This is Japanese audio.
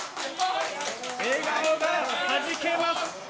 笑顔がはじけます。